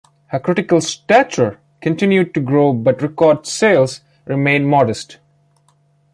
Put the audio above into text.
Her critical stature continued to grow but record sales remained modest.